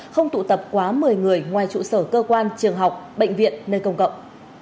không tụ tập quá một mươi người ngoài trụ sở cơ quan trường học bệnh viện nơi công cộng